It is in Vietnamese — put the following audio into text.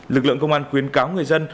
lực lượng công an khuyến cáo người dân